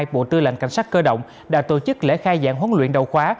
bộ tư lệnh cảnh sát cơ động đã tổ chức lễ khai giảng huấn luyện đầu khóa